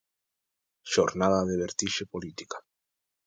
Xornada de vertixe política.